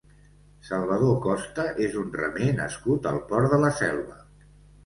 Salvador Costa és un remer nascut al Port de la Selva.